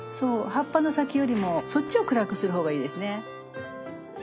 葉っぱの先よりもそっちを暗くする方がいいですね。